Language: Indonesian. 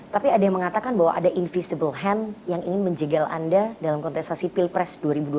tapi ada yang mengatakan bahwa ada invisible hand yang ingin menjegal anda dalam kontestasi pilpres dua ribu dua puluh